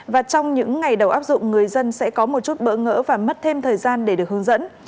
và trong những ngày đầu áp dụng người dân sẽ có một chút bỡ ngỡ và mất thêm thời gian để được hướng dẫn